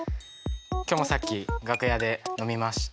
今日もさっき楽屋で飲みました。